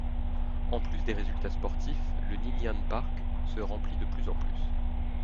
En plus des résultats sportifs, le Ninian Park se remplit de plus en plus.